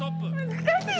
難しい。